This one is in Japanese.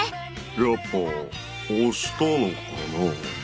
やっぱ押したのかな。